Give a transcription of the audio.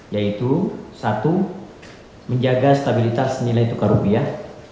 yaitu satu menjaga stabilitas nilai tukar rupiah